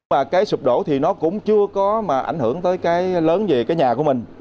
và cái sụp đổ thì nó cũng chưa có mà ảnh hưởng tới cái lớn về cái nhà của mình